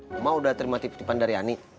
cuma udah terima titipan dari ani